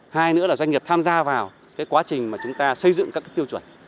hai nữa là doanh nghiệp tham gia vào cái quá trình mà chúng ta xây dựng các tiêu chuẩn